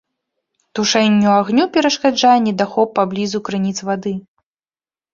Тушэнню агню перашкаджае недахоп паблізу крыніц вады.